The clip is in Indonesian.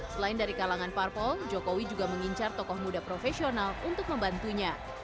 selain dari kalangan parpol jokowi juga mengincar tokoh muda profesional untuk membantunya